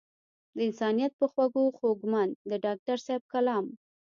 د انسانيت پۀ خوږو خوږمند د ډاکټر صېب کلام